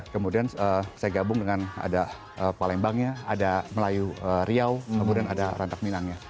kemudian saya gabung dengan ada palembangnya ada melayu riau kemudian ada rantak minangnya